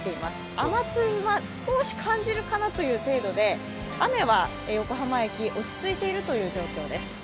雨粒が少し感じるかなという程度で雨は横浜駅、落ち着いているという状況です。